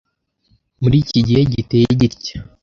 Muri iki gihe giteye gitya